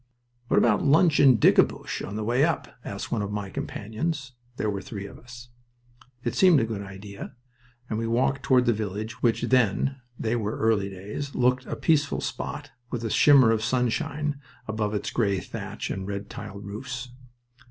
"What about lunch in Dickebusch on the way up?" asked one of my companions. There were three of us. It seemed a good idea, and we walked toward the village which then they were early days! looked a peaceful spot, with a shimmer of sunshine above its gray thatch and red tiled roofs.